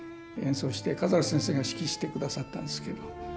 演奏してカザルス先生が指揮してくださったんですけど。